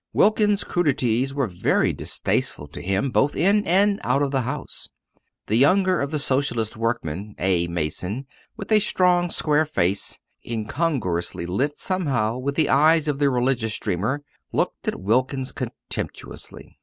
Wilkins's crudities were very distasteful to him both in and out of the House. The younger of the Socialist workmen, a mason, with a strong square face, incongruously lit somehow with the eyes of the religious dreamer, looked at Wilkins contemptuously.